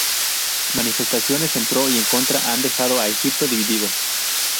Manifestaciones en pro y en contra han dejado a Egipto dividido.